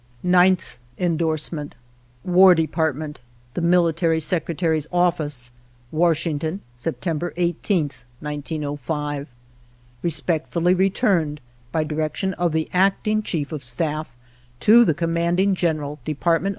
9th Endorsement. War Department, The Military Secretary's Office, Washington, September 18th, 1905. Respectfully returned, by direction of the Acting Chief of Staff, to the Commanding General, Dept.